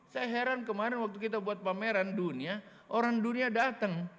saya heran kemarin waktu kita buat pameran dunia orang dunia datang